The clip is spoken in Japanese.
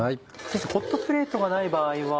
先生ホットプレートがない場合は？